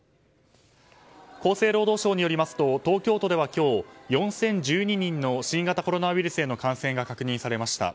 厚生労働省によりますと東京都では今日４０１２人の新型コロナウイルスへの感染が確認されました。